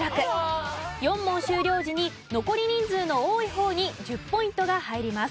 ４問終了時に残り人数の多い方に１０ポイントが入ります。